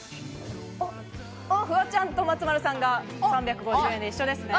フワちゃんと松丸さんが、３５０円で一緒ですね。